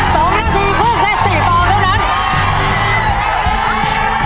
๒นาทีพรุ่งได้๔ฟองด้วยนั้น